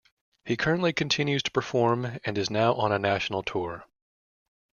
He currently continues to perform and is now on a national tour.